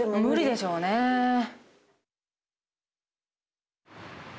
無理でしょうねー。